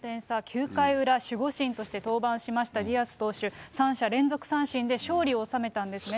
９回裏、守護神として登板しましたディアス投手、３者連続三振で勝利を収めたんですね。